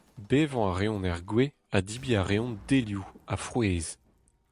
Bevañ a reont er gwez ha debriñ a reont delioù ha frouezh.